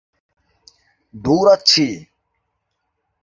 দৌড়াচ্ছি।